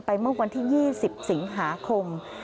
เมื่อวันที่๒๐สิงหาคม